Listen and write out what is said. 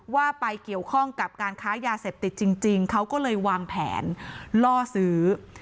ว่าไปเกี่ยวข้องกับการค้ายาเสพติดจริงเขาก็เลยวางแผนล่อซื้อ